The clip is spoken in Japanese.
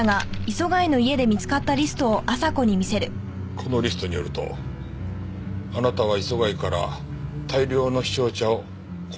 このリストによるとあなたは磯貝から大量の陽尚茶を購入している。